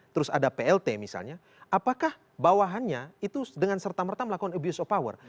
terus ada plt misalnya apakah bawahannya itu dengan serta merta melakukan abuse of power